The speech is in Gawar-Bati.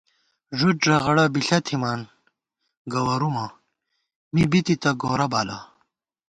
ݫُد ݫغڑہ بݪہ تھِمان گوَرُومہ می بی تِتہ گورہ بالہ